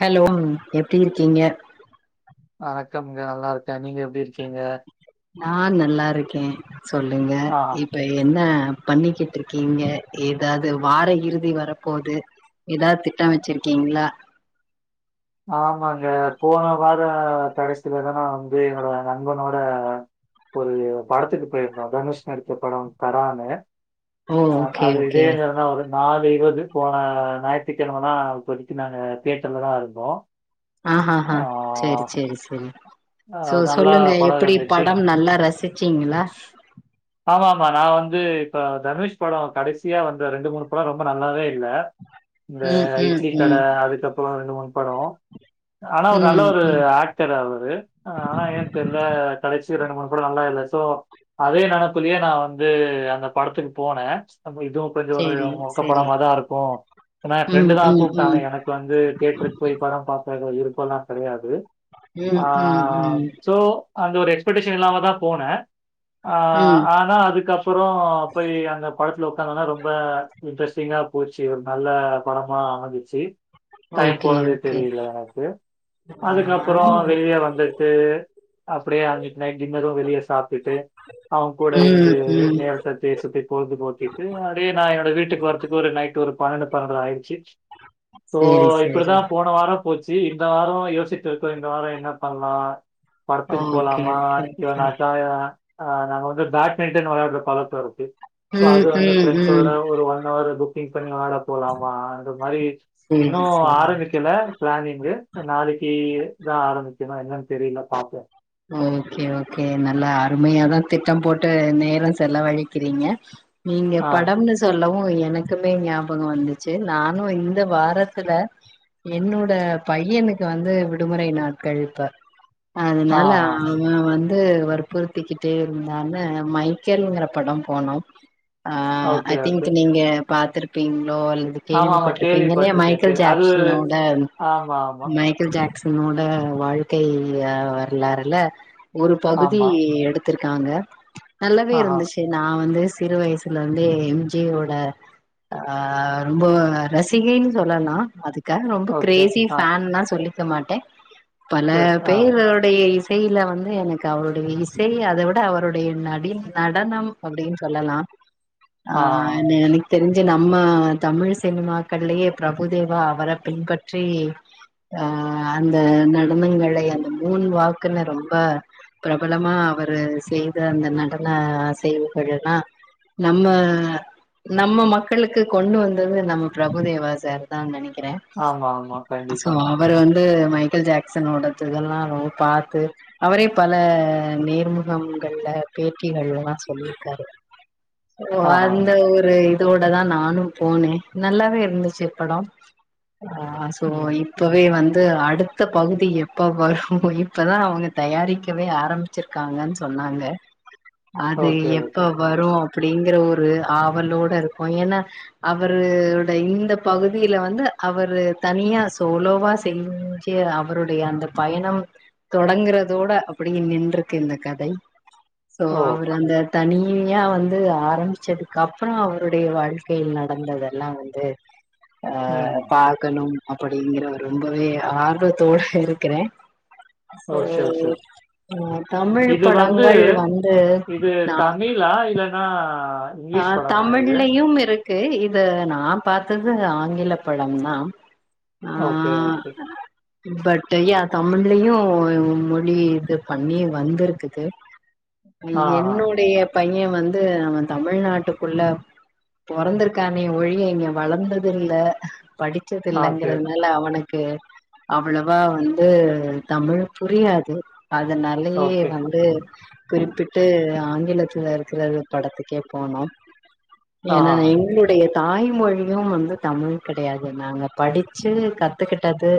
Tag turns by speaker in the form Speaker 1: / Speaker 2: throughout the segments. Speaker 1: Hello எப்டி இருக்கீங்க
Speaker 2: வணக்கம்ங்க நல்லா இருக்கே நீங்க எப்டி இருக்கீங்க
Speaker 1: நான் நல்லா இருக்கே சொல்லுங்க
Speaker 2: ஆ,
Speaker 1: இப்ப என்ன பண்ணிகிட்டு இருக்கீங்க ஏதாவது வார இறுதி வரப்போது எதாவது திட்டம் வச்சிருக்கீங்களா
Speaker 2: ஆமாங்க போன வாரம் கடைசியல தானே வந்து என்னோட நண்பனோட ஒரு படத்துக்கு போயிருந்தோம் தனுஷ் நடிச்ச படம் கரானு
Speaker 1: ஓ
Speaker 2: ஆ
Speaker 1: ஓகே
Speaker 2: அது இதே
Speaker 1: ஓகே
Speaker 2: [unintelligible] நாலு இருவது போன ஞாயித்திக்கிழமதா அப்போதைக்கு நாங்க தேயட்டர்லதான் இருந்தோம்
Speaker 1: ஆ ஆ ஆ செரி செரி செரி
Speaker 2: அ
Speaker 1: சோ
Speaker 2: நல்லா
Speaker 1: சொல்லுங்க
Speaker 2: படம்
Speaker 1: எப்படி
Speaker 2: இருந்துச்சு.
Speaker 1: படம் நல்லா ரசிச்சீங்களா
Speaker 2: ஆமா நான் வந்து இப்ப தனுஷ் படம் கடைசியா வந்த ரெண்டு மூணு படம் ரொம்ப நல்லாவே இல்ல இந்த
Speaker 1: ம் ம்
Speaker 2: இட்லி கட
Speaker 1: ம்
Speaker 2: அதுக்கப்புறம் ரெண்டு மூன் படம் ஆனா ஒரு நல்ல
Speaker 1: ம்
Speaker 2: ஒரு
Speaker 1: ம்
Speaker 2: ஆக்டர் அவரு ஆனா ஏன் தெரில கடைசி ரெண்டு மூணு படம் நல்லாவே இல்ல சோ அதே நினப்புலயே நான் வந்து அந்த படத்துக்கு போனே அப்ப இதுவும் கொஞ்சம் ஒரு
Speaker 1: சரி
Speaker 2: மொக்க
Speaker 1: சரி
Speaker 2: படமாதான் இருக்கு ஏனா என்
Speaker 1: ம்
Speaker 2: ஃப்ரெண்டு தான்
Speaker 1: ம்
Speaker 2: கூப்ட்டா
Speaker 1: ம்
Speaker 2: எனக்கு வந்து தேயட்டுருக்கு போய் படம் பார்க்க விருப்பல்லாம் கடையாது
Speaker 1: ம் ம்
Speaker 2: ஆ
Speaker 1: ம்
Speaker 2: சோ அந்த ஒரு எக்ஸ்படேஷன் இல்லாம தான் போனே ஆ
Speaker 1: ம்
Speaker 2: ஆனா அதுக்கப்புறம் போய் அந்த படத்துல உக்காந்தனா ரொம்ப இன்ட்ரஸ்டிங்கா போச்சு ஒரு நல்ல படமா அமைந்சிச்சு டைம்
Speaker 1: ஓகே
Speaker 2: போனதே
Speaker 1: ஓகே
Speaker 2: தெரியல எனக்கு
Speaker 1: ஆமா
Speaker 2: அதுக்கப்பறம் வெளியே வந்துட்டு டு அப்டிய அன்னிக் நய்ட் டின்னரு வெளிய சாப்டுட்டு அவன் கூட
Speaker 1: ம்
Speaker 2: இருந்து
Speaker 1: ம்
Speaker 2: நேரத்தை பேசுத்தி பொழுது போக்கிட்டு அப்டியே நான் என்னோட வீட்டுக்கு வரறதுக்கு ஒரு நைட் ஒரு பன்னண்டு பன்னண்டரை ஆயிச்சி சோ
Speaker 1: சரி சரி
Speaker 2: இப்படிதான் போன வாரம் போச்சி இந்த வாரம் யோசிட்டு இருக்கேன் இந்த வாரம் என்ன பண்லா படத்துக்கு
Speaker 1: ஓகே
Speaker 2: போலாமா
Speaker 1: ஓகே
Speaker 2: இல்லனாக்கா ஆ நாங்க வந்து பேட்மிண்டன் விளையாடுற பழக்க இருக்கு சோ அது
Speaker 1: ஓகே
Speaker 2: வந்து
Speaker 1: ம் ம் ம்
Speaker 2: ஃபிரெண்சோட ஒரு ஒன் அவர் புக் பண்ணி விளாட போலாமா அந்த மாரி
Speaker 1: சேரி
Speaker 2: இன்னும்
Speaker 1: சேரி
Speaker 2: ஆரம்பிக்கல பிளானிங்கு நாளைக்கு கி தான் ஆரம்பிக்கனும் என்னனு தெரியல பாப்போ
Speaker 1: ஓகே ஓகே நல்லா அருமையாதான் திட்டம் போட்டு நேரம் செல வழிக்கிறீங்க நீங்க
Speaker 2: ஆ,
Speaker 1: படம்னு சொல்லவு எனக்குமே ஞாபக வந்துச்சு நானு இந்த வாரத்துல என்னுட பையனுக்கு வந்து விடுமுறை நாட்கள் இப்ப
Speaker 2: ஆ,
Speaker 1: அதனால
Speaker 2: ஆ.
Speaker 1: அவ வந் து வற்பற்புறுத்திக்கிட்டே இருந்தான்னு மைக்கேல்ங்கிற படம் போனோ ஆ ஐ
Speaker 2: ஓகே, ஓகே.
Speaker 1: திங்க் நீங்க பாத்துருப்பிங் ளோ அல்லது
Speaker 2: ஆமாமா
Speaker 1: கேள்விப்பட்டு இருப்பிங்க
Speaker 2: கேள்விப்பட்டுருக்கேன். கே
Speaker 1: மைக்கேல்
Speaker 2: அது
Speaker 1: ஜாக்சனோட
Speaker 2: ஆமா, ஆமா,
Speaker 1: மைக்கேல் ஜாக்சன் னோட வாழ்க்கை வரலாறுல ஒரு பகுதி
Speaker 2: ஆமா.
Speaker 1: எடுத் துருக்காங்க நல்லாவே
Speaker 2: ஆஹா,
Speaker 1: இருந்துச்சி நா வந்து சிறு வயசுல வந்து எம் ஜே ஓட ஆ ரொம்ப ரசிகைன்னு சொல்லலா அதுக் காக ரொம்ப
Speaker 2: ஓகே.
Speaker 1: கிரேசி
Speaker 2: ஆ,
Speaker 1: ஃபேன்லா சொல்லிக்க மாட்டே பல
Speaker 2: சரி, சரி. ஆ,
Speaker 1: பேரு இசையில வந்து எனக்கு அவருடைய இசை அதவிட அவருடைய நடி நடனம் அப்படின்னு சொல்ல லா ஆ எனக்கு தெரிஞ் சி நம்ம தமிழ் சினிமாக்கள்லயே பிரபுதேவா அவர பின்பற்றி ஆ அந்த நடனங்களை அந்த மூண் வாக்குனு ரொம்ப பிரபலமா அவரு செய்த அந்த நடன அசைவுகளெலா நம்ம நம்ம மக்களுக்கு கொண்டு வந்தது நம்ம பிரபுதேவா சார் தான் நெனைக் கிறே
Speaker 2: ஆமா, ஆமா.
Speaker 1: சோ
Speaker 2: கண்டிப்பா.
Speaker 1: அவரு வந்து மைக்கேல் ஜாக்சனோடத்துகல்லா பாத்து அவரே பல நேர்முகங்கள்ல பேட்டிகள்லெலா சொல்லிருக்காரு ஓ
Speaker 2: ஆஹா,
Speaker 1: அந்த ஒரு இதோடதா நானும் போனே நல்லாவே இருந்துச்சு படோ ஆ சோ
Speaker 2: ம்.
Speaker 1: இப்பவே வந்து அடுத்த பகுதி எப்ப வரு இப்பதா அவங்க தயாரிக்கவே ஆரம்பிச்சிருக்காங்கன் சொன்னாங்க அது
Speaker 2: ஓகே,
Speaker 1: எப்ப
Speaker 2: ஓகே.
Speaker 1: வரு அப்புடிங்கற ஒ ரு ஆவலோட இருக்கோ ஏனா அவருட இந்த பகுதியில வந்து அவரு தனியா சோலோவா செஞ்ச அவருடைய அந்த பயணம் தொடங்குறதோட அப்புடியே நின்றுக்கு இந்த கதை சோ
Speaker 2: ஓ!
Speaker 1: அவர் அந்த தனியா வந்து ஆரம்பிச்சதுக்கு அப்பற அவருடைய வாழ்க்கையில் நடந்ததெல்லா வந்து அ
Speaker 2: ம்.
Speaker 1: பாக்கணும் அப்புடிங்கிற ரொம்பவே ஆர்வத்தோட இருக்கிறே சோ
Speaker 2: ஓ சேர் சேர்
Speaker 1: அ தமிழ்
Speaker 2: இது வந்து
Speaker 1: படங்கள் வந்து
Speaker 2: இது தமிழா அ இல்லனா
Speaker 1: அ தமிழ்லயும் இருக் இருக்கு இத நா பாத்தது ஆங்கில படம் தா ஆ
Speaker 2: ஓகே ஓகே
Speaker 1: பட் யா தமிழ்லயு மொழி இது பண்ணி வந்திருக்கு
Speaker 2: ஆஹா,
Speaker 1: என்னுடைய பைய வந்து அவ தமிழ்நாட்டுக்குள்ள பெறந்திருக்கானே ஒழிய இங்க வளந்தது இல்ல
Speaker 2: ஓகே,
Speaker 1: படிச்சதுல்லங்குறதுனால அவனுக்கு கு அவ்ளவா வந்து தமிழ் புரியாது அதனாலயே
Speaker 2: ஓகே.
Speaker 1: வந்து குறிப்பிட்டு ஆங்கிலத்துலே இருக்குற படத்துக் கே போனோ ஏன்னா
Speaker 2: ஆஹா,
Speaker 1: நா எங்களுடைய தாய்மொழியு வந்து தமிழ் கெடையாது நாங்க படிச்சு கத்துக்கிட்டது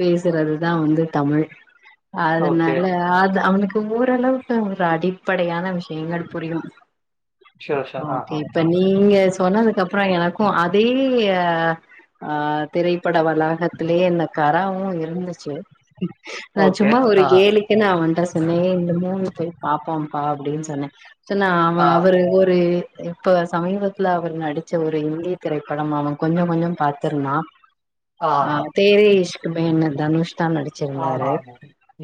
Speaker 1: பேசுறதுதா வந்து தமிழ்
Speaker 2: ஓகே.
Speaker 1: அதனால அது அவனுக்கு ஓரளவுக்கு ஒரு அடிப்படையான விஷயங்கள் புரியு
Speaker 2: ஷூர், ஷூர்.
Speaker 1: ஓகே
Speaker 2: ஆஹா,
Speaker 1: இப்ப நீங்க சொன்னதுக்கு அப்ற எனக்கு அதே ஆ திரைப்பட வளாகத்துலயே என்ன கராவு இருந்துச்சு நா
Speaker 2: ஓகே.
Speaker 1: சும்மா ஒரு
Speaker 2: ஆஹா,
Speaker 1: கேலிக்கு நா உன்ட்ட சொன்ன இந்த முவி போய் பாப்போ ப்பா அப்டின் சொன்ன சோ நா அவ
Speaker 2: ஆ,
Speaker 1: அவரு ஒரு இப்ப சமீபத்துல அவர் நடிச்ச ஒரு இந்தி திரைப்படம் அவ கொஞ்சம் கொஞ்சோ பாத்திருந்தா ஆ
Speaker 2: ஆஹா.
Speaker 1: தேரி இஷ்க்கு மே ன் தனுஷ் தா நடிச்சிருந்தாரு
Speaker 2: ஆமாமா.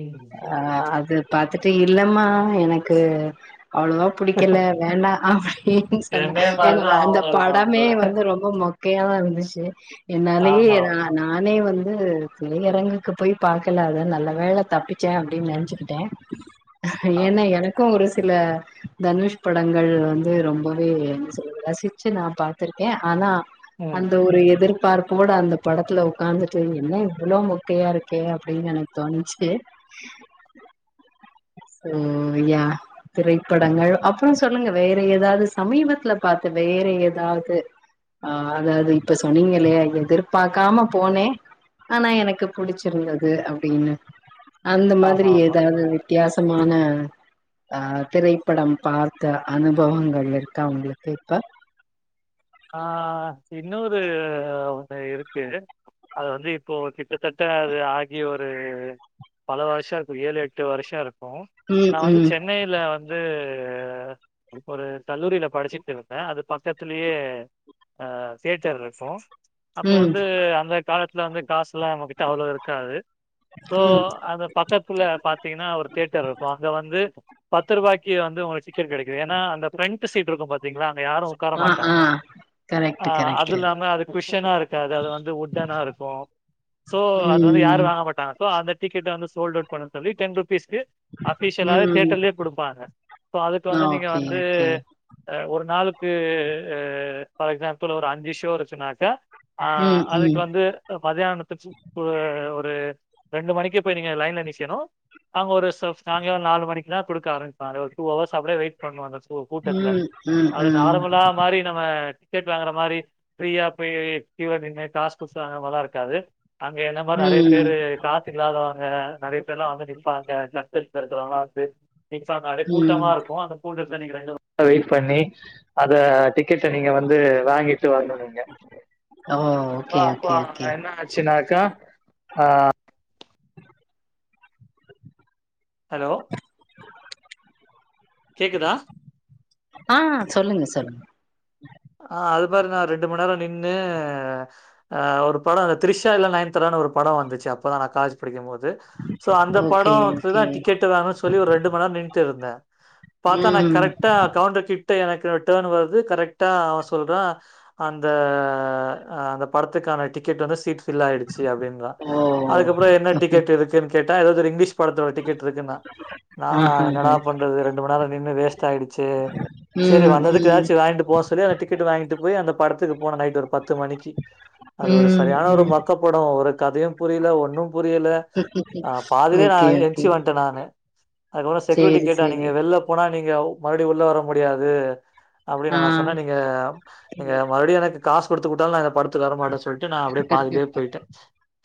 Speaker 2: ம்.
Speaker 1: அ அது பாத்து இது இல்லமா எனக்கு அவ்ளவா புடிக்கல வேண்டா அப்டீனு சொன்னா
Speaker 2: இதே
Speaker 1: ஏன்னா
Speaker 2: மாதிரிதான்
Speaker 1: அந்த
Speaker 2: அவனும் இருக்கான்
Speaker 1: படமே
Speaker 2: போல
Speaker 1: வந்து ரொம்ப மொக் கையாதா இருந்துச்சு என்னாலயே
Speaker 2: ஆமா
Speaker 1: நானே வந் து திரையரங்குக்கு போய் பாக்கலா அத நல்ல வேல தப்பிச்சே அப்டீன்னு நெனச்சுகிட்டே
Speaker 2: ஆமா
Speaker 1: ஏன்னா எனக்கோ ஒரு சில தனுஷ் படங்கள் வந்து ரொம்பவே என்ன சொல்றது ரசிச்சு நா பாத்துருக்கே ஆனா
Speaker 2: ம்.
Speaker 1: அந்த ஒரு எதிர் பார்ப்போட அந்த படத்துல ஒக்காந்துட்டு என்ன இவ்ளோ மெக்கையா இருக்கே அப்டீனு எனக்கு தோணிச்சு ம் யா திரைப்படங்கள் அப்றோ சொல்லுங்க வேற ஏதாவது சமீபத்துல பாத்த வே ற ஏதாவது ஆ அதாவது இப்ப சொன்னீங்கில்லயா எதிர்பார்க்காம போனே ஆனா எனக்கு புடிச்சிருந்தது அப்டீனு அந்த
Speaker 2: ஆமா
Speaker 1: மாதிரி
Speaker 2: ஆமா
Speaker 1: ஏதாவது பாசமான ஆ திரைப்படம் பார்த்த அனுபவங்கள் இருக்கா உங்குளுக்கு இப்ப
Speaker 2: ஆ இன்னோரு ஒன்னு இருக்கு அது வந்து இப்போ கிட்டத்தட்ட அது ஆகி ஒரு பல வருஷோ இருக்கோ ஏழு எட்டு வருஷோ இருக்கோ
Speaker 1: ம்
Speaker 2: நா வந்து
Speaker 1: ம்
Speaker 2: சென்னையில வந்து ஒரு ஒரு கல்லூரில படிச்சுட்டு இருந்த அது பக்கத்துலயே அ தியேட்டர் இருக்கோ அப்ப
Speaker 1: ம்
Speaker 2: வந்து அந்த காலத் துல வந்து காசுலா நம்மகிட்ட அவ்ளோ இருக்காது சோ
Speaker 1: ம்
Speaker 2: அந்த பக்கத்துல பாத்தீங்கன்னா ஒரு தியேட்டர் இருக்கோ அங்க வந்து பத்து ரூபாய்க்கு வந்து உங்குளுக்கு ஸ்டிக்கர் கெடைக்குது ஏன்னா அந்த ஃப்ரெண்ட்டு சீட்டு இருக்கோ பாத்தீங்களா அங்க யாரோ ஒக்கார
Speaker 1: ஆ ஆ
Speaker 2: மாட்டாங்க ஆ
Speaker 1: கரெக்ட்டு
Speaker 2: அது
Speaker 1: கரெக்ட்டு
Speaker 2: இல்லாம அதுக் குஷ்ஷனா இருக்காது அது வந்து உட்டனா இருக்கோ சோ அது வந்து யாரோ
Speaker 1: ம்
Speaker 2: வாங்க மாட்டாங்கோ சோ அந்த டிக்கெட்ட வந்து சோல்ட் அவுட் பண்ண சொல்லி டென் ருபீஸ் க்கு அஃபிஷலா
Speaker 1: ம்
Speaker 2: தேட்டர்ல கடுப்பாங்க இப்போ அதுக்கு
Speaker 1: ஆ
Speaker 2: வந்து நீங்க
Speaker 1: ஓகே
Speaker 2: வந்து
Speaker 1: ஓகே
Speaker 2: அ ஒரு நாளுக்கு ஃபார் எக்ஸாம்பிள் ஒரு அஞ்சி ஷோ வெச்சுனாக்க ஆ
Speaker 1: ம்
Speaker 2: அதுக்கு
Speaker 1: ம்
Speaker 2: வந்து மதியான சூப்பு ஒரு ரெண்டு மணிக்கு போய் நீங்க லைன்ல நிக்கணோ அங்க ஒரு ச சாயங்காலோ நாலு மணிக்குலா குடுக்க ஆரம்பிப்பாங்க ஒரு டூ ஹவர்ஸ் அப்டியே வெயிட் பண்ணுவாங்க கு கூட்டத்துல
Speaker 1: ம் ம்
Speaker 2: அது
Speaker 1: ம்
Speaker 2: நார்மலா மாரி நம்ம டிக்கெட் வாங்குற மாரி ஃப்ரியா போய் க்யூல நின்னு காஸ் குத்தா அது மார்லா இருக்காது அங்க என்ன மாரி நறைய
Speaker 1: ம்
Speaker 2: பேரு காசு இல்லாதவாங்க நறைய பேர்லா வந்து நிப்பாங்க கஸ்டத்ல இருக்குறவங்லா வந்து நிப்பாங்க அப்டீயே
Speaker 1: ம்
Speaker 2: கூட்டமா இருக்கோ அந்த கூட்டத் அத நீங்க ரெண்டு மண்நேரோ வெயிட் பண்ணி அத டிக்கெட்டு வந்து வாங்கிட்டு வர்னோ நீங்க
Speaker 1: ஓ
Speaker 2: சோ
Speaker 1: ஓகே
Speaker 2: அப்போ
Speaker 1: ஓகே
Speaker 2: அங்க
Speaker 1: ஓகே
Speaker 2: என்ன ஆச்சுனாக்கா ஆ ஹலோ கேக்குதா
Speaker 1: ஆ சொல்லுங்க சொல்லுங்க
Speaker 2: ஆ அது மாதிரி நா ரெண்டு மணி நேரோ நின்னு ஆ ஒரு படோ இந்த த்ரிஷா இல்ல நைன்தாரானு ஒரு படோ வந்துச்சு அப்போதா நா காலேஜ் படிக்கும் போது சோ அந்த
Speaker 1: ஓகே ஓகே
Speaker 2: படோத்துக்குதா டிக்கெட் வேணோனு சொல்லி ஒரு ரெண்டு மண்நேரோ நின்ட்டு இருந்த பாத்தா நா
Speaker 1: ம்
Speaker 2: கரெக்டா கவுண்டர் கிட்ட எனக்கு டர்ன் வருது கரெக்ட் டா அவ சொல்றா அந்த அந்த படத்துக்கான டிக்கெட் வந்து சீட் ஃபில் ஆயிடுச்சு அப்டீன்றா
Speaker 1: ஓ
Speaker 2: அதுக்கப்புறோ என்ன டிக்கெட் இருக்கு கேட்டா ஏதாவது இங்கிலீஷ் படத்தோட டிக்கெட் இருக்குன்னா நா
Speaker 1: ஆஹா
Speaker 2: என்னடா பண்றது ரெண்டு மண் நேரோ நின்னு வேஸ்டாயிடுச்சே செரி
Speaker 1: ம்
Speaker 2: வந்ததுக்கு
Speaker 1: ம்
Speaker 2: எதாச்சு வாய்ட்டு போ அந்த டிக்கெட் வாங்கிட்டு போய் அந்த படத்துக்கு போன நைட் ஒரு பத்து மணிக்கு அது ஒரு
Speaker 1: ம்
Speaker 2: சரியான ஒரு
Speaker 1: ம்
Speaker 2: மக்க படோ ஒரு கதையு புரியல ஒன்னும் புரியல அ பாதிலே நா
Speaker 1: ஓகே ஓகே
Speaker 2: என்ச்சி வந்ட்ட நானு அதுக்குப்பு செக்யூரிட்டி
Speaker 1: சேரி
Speaker 2: கேட்டா நீங்க
Speaker 1: சேரி
Speaker 2: வெள்ள போனா நீங்க மறுபடி உள்ள வர முடியாது அப்டின்னா நா
Speaker 1: ஆ
Speaker 2: சொன்னா நீங்க நீங்க மறுபடியு எனக்கு காசு குடுத்து கூப்டாலு நா அந்த படத்துக்கு வர மாட்ட சொல்ட்டு நா அப்டியே பாதிலயே
Speaker 1: கண்டிப்பா.
Speaker 2: போயிட்டே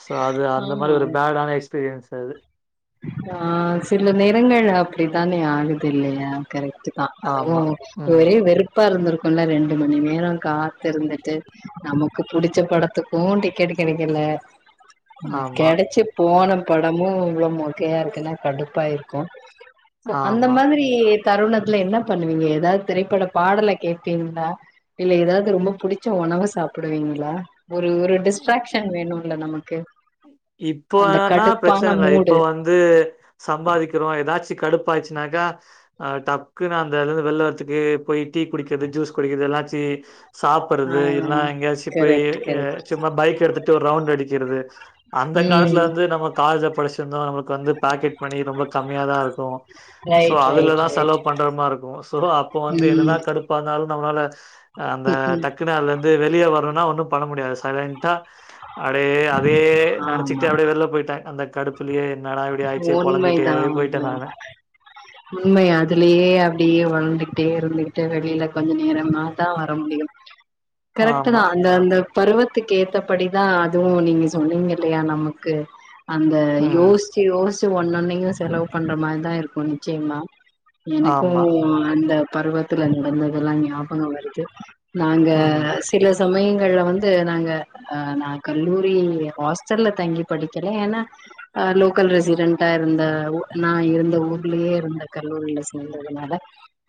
Speaker 2: சோ அது அந்த மாரி
Speaker 1: ஆமா.
Speaker 2: ஒரு பேடான எக்ஸ்பிரியன்ஸ் அது
Speaker 1: ஆ சில நேரங்கள் அப்டித்தானே ஆகுது இல்லையா கரெக்ட்டுதா அதுவு
Speaker 2: ஆமா ம்
Speaker 1: ஒரே வெறுப்பா இருந்திருக்குல்ல ரெண்டு மணி நேர கா த்திருந்துட்டு நமக்கு புடிச்ச படத்துக்கு டிக்கெட் கெடைக்கல
Speaker 2: ஆமா
Speaker 1: கெடைச்சி போன படமு இவ்ள மொக்கையா இருக்குன்னா கடுப்பாயிருக்கு அந்த
Speaker 2: ஆமா
Speaker 1: மாதிரி தருணத்துல என்ன பண்ணுவிங்க எதாவது திரைப்பட பாடல கேப்பிங்களா இல்ல எதாவது ரொம்ப பிடிச்ச உணவ சாப்பிடுவிங்ளா ஒரு ஒரு டிஸ்ட்ராக்ஷன் வேணுல்ல நமக்கு அந்த
Speaker 2: இப்பனா பிரச்சனை
Speaker 1: கடுப்பான
Speaker 2: இல்ல
Speaker 1: மூடு.
Speaker 2: இப்ப வந்து து சம்பாதிக்கிறோ எதாச்சி கடுப்பாச்சு னாக்கா டக்குனு அந்தது வெள்ல வரத்துக்கு போய் டீ குடிக்கிறது ஜூஸ் குடிக்கிறது எதாச்சி
Speaker 1: ஆ
Speaker 2: சாப்படறது இல்னா எங்கயாச்சு போய்
Speaker 1: கரெக்ட் கரெக்ட்
Speaker 2: சும்மா பைக் எடுத்துட்டு ஒரு ரவுண்ட் அடிக்கிறது அந்த காலத்துல
Speaker 1: ம்
Speaker 2: வந்து நம்ம காலேஜ்ல படிச்சிருந்தோ நம்மளுக்கு வந்து பாக்கெட் மணி ரொம்ப கம்மியாதா இருக்கு சோ
Speaker 1: ரைட் ரைட்
Speaker 2: அதுலதா
Speaker 1: ரைட்
Speaker 2: செலவு பண்ற மார்ருக்கு சோ அப்ப வந்து என்னதா
Speaker 1: ம்
Speaker 2: கடுப்பானாலு நம்னால அந்த
Speaker 1: ம்
Speaker 2: டக்குனு அதுலருந்து வெளிய வர ணுனா ஒன்னு பண்ண முடியாது சைலண்ட்டா அடே அதே
Speaker 1: ஆமா
Speaker 2: நெனைச்சிகிட்டு அப்டியே வெளிய போயிட்டே அந்த கடுப்புலயே என்னடா இப்டி ஆயிடுச்சே பொலம்பிட்டே
Speaker 1: உண்மைதா
Speaker 2: போயிட்டே
Speaker 1: உண்மை
Speaker 2: நானு
Speaker 1: உண்மை அதுலயே அப்டியே வந்துகிட்டே இருந்துகிட்டே வெளில கொஞ்ச நேரமாதா வர முடியும் கரெக்ட்டுதா
Speaker 2: ஆமா
Speaker 1: அந்த அந்த பருவத் த்துக்கு ஏத்தபடிதா அதுவு நீங்க சொன்னிங்க இல்லையா நமக்கு அந்த
Speaker 2: ம்
Speaker 1: யோசி ச்சு யோசிச்சு ஒண்ணொன்னையு செலவு பண்ற மாரிதா இருக்கு நிச்சயமா எனக்கு
Speaker 2: ஆமா
Speaker 1: அந்த பருவத்துல நடந்ததெல்லா ஞாபக வருது நாங்க
Speaker 2: ம்
Speaker 1: சில சமயங்கள்ல வந்து நாங்க நா கல்லூரி ஹாஸ்டல்ல தங்கி படிக்கல ஏன்னா லோக்கல் ரெசிடென்ட்டா இருந்த நா இருந்த ஊர்லயே இருந்த கல்லூரில சேந்ததுனால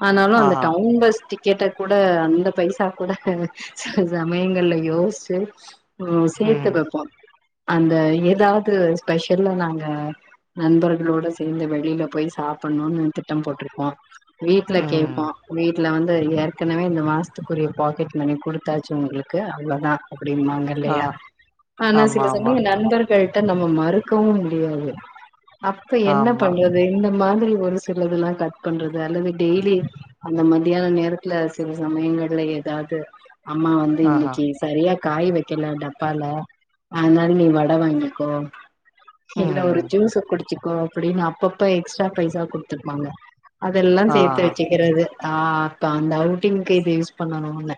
Speaker 1: ஆனாலு அந்த
Speaker 2: ஆஹா
Speaker 1: டவுன் பஸ் டி க்கட்ட கூட அந்த பைசா கூட சில சமயங்கள்ல யோசிச்சு சேத்து
Speaker 2: ம்
Speaker 1: வெப்போ அந்த ஏதாவது ஸ்பெஷல்லா நாங்க நண்பர்களோட சேந்து வெளியில போய் சாப்பிடணுனு திட்டம் போட்ருப்போ வீட்ல கேப்போ
Speaker 2: ம்
Speaker 1: வீட் ல வந்து ஏற்கனவே இந்த மாசத்துக்குரிய பாக்கெட் மணி குடுத்தாச்சு உங்ளுக்கு அவ்ளதா அப்படிம்பாங்க இல்லையா
Speaker 2: ஆஹா
Speaker 1: ஆனா
Speaker 2: ஆமா
Speaker 1: சில
Speaker 2: ஆமா
Speaker 1: சமய நண்பர்கள்ட்ட நம்ம மறுக்கவு முடியாது அப்ப என்ன
Speaker 2: ஆமா
Speaker 1: பண்றது இந்த மாதிரி ஒரு சிலதலா கட் பண்றது அல்லது டெய்லி அந்த மத்யான நேரத்துல சில சமயங்கள்ல ஏதாவது அம்மா வந்து
Speaker 2: ஆஹா
Speaker 1: இன்னைக்கு சரியா காய் வெக்கல டப்பால அதனால நீ வட வாங்கிக்கோ இல்ல ஒரு
Speaker 2: ம்
Speaker 1: ஜூஸ குடிச்சுக்கோ அப்படின்னு அப்பப்ப எக்ஸ்ட்ரா பைசா குடுத்துருப்பாங்க அதெல்லா சேத்து
Speaker 2: ஆஹா
Speaker 1: வெச்சுக்கிறது ஆ அப்ப அந்த அவுட்டிங்க்கு இது யூஸ் பண்ணணுன்னு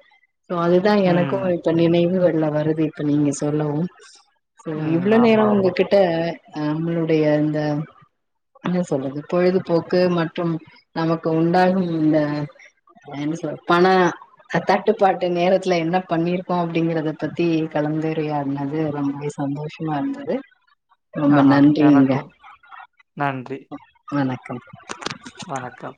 Speaker 1: சோ அதுதா எனக்கு
Speaker 2: ம்
Speaker 1: இப்ப நினைவுகள்ல வருது இப்ப நீங்க சொல்லவு சோ
Speaker 2: ம்
Speaker 1: இவ்ள நேர
Speaker 2: ஆமா ஆமா
Speaker 1: உங்ககிட்ட நம்மளுடைய இந்த என்ன சொல்றது பொழுதுபோக்கு மற்றும் நமக்கு உண்டாகும் இந்த என் சொல் பண தட்டுப்பாட்டு நேரத்துல என்ன பண்ணிருக்கோ அப்படிங்கறத பத்தி கலந்துரையாடுனது ரொம்பவே சந்தோஷமா இருந்தது ரொம்ப
Speaker 2: ஆஹா
Speaker 1: நன்றிங்க
Speaker 2: எனக்கு நன்றி
Speaker 1: வணக்கம்
Speaker 2: வணக்கம்